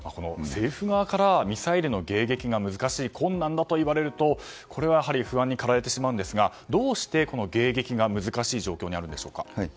政府側からミサイルの迎撃が難しい困難だといわれると不安に駆られてしまうんですがどうして、迎撃が難しい状況にあるんでしょうか。